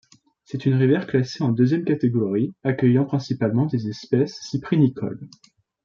C'est une rivière classée en deuxième catégorie, accueillant principalement des espèces cyprinicoles.